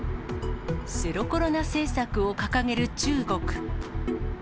ゼロコロナ政策を掲げる中国。